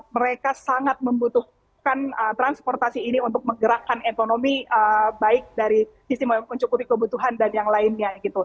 mereka sangat membutuhkan transportasi ini untuk menggerakkan ekonomi baik dari istimewa yang mencukupi kebutuhan dan yang lainnya gitu